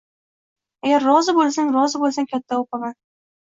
— Agar rozi bo‘lsang… rozi bo‘lsang bitta o‘paman.